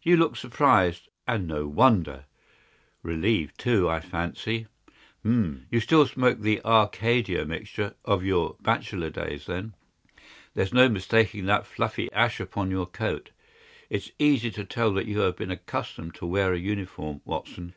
"You look surprised, and no wonder! Relieved, too, I fancy! Hum! You still smoke the Arcadia mixture of your bachelor days then! There's no mistaking that fluffy ash upon your coat. It's easy to tell that you have been accustomed to wear a uniform, Watson.